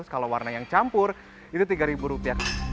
kalau warna yang campur itu rp tiga